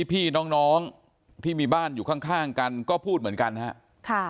พี่น้องที่มีบ้านอยู่ข้างกันก็พูดเหมือนกันครับ